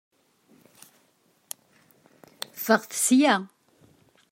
Ffɣet sya!